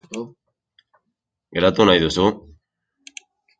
Geratu nahi duzu?